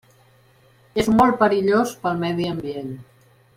És molt perillós pel medi ambient.